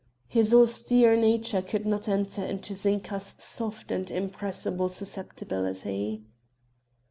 His austere nature could not enter into Zinka's soft and impressible susceptibility.